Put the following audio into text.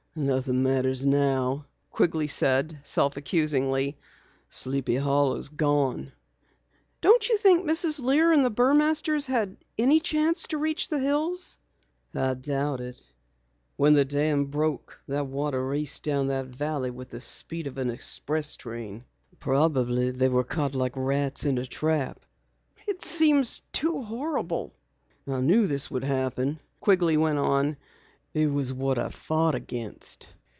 "Nothing matters now," Quigley said, self accusingly. "Sleepy Hollow's gone." "Don't you think Mrs. Lear and the Burmasters had any chance to reach the hills?" "I doubt it. When the dam broke, the water raced down the valley with the speed of an express train. Probably they were caught like rats in a trap." "It seems too horrible." "I knew this would happen," Quigley went on. "It was what I fought against.